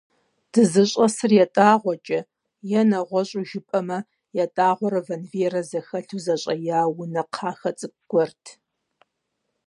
ДызыщӀэсыр ятӀагъуэкӀэ, е, нэгъуэщӀу жыпӀэмэ, ятӀагъуэрэ вэнвейрэ зэхэлъу зэщӀэя унэ кхъахэ цӀыкӀу гуэрт.